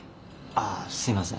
あすいません。